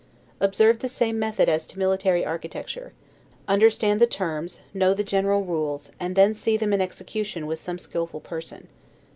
Observe the same method as to military architecture; understand the terms, know the general rules, and then see them in execution with some skillful person.